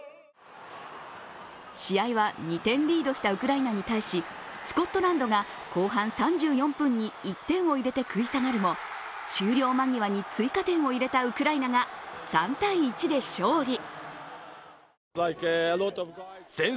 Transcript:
試合は２点リードしたウクライナに対しスコットランドが後半３４分に１点を入れて食い下がるも終了間際に追加点を入れたウクライナが３−１で勝利。